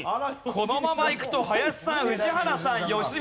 このままいくと林さん宇治原さん良純さんです。